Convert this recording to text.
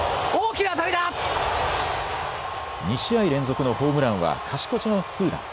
２試合連続のホームランは勝ち越しのツーラン。